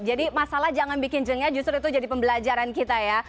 jadi masalah jangan bikin jengnya justru itu jadi pembelajaran kita ya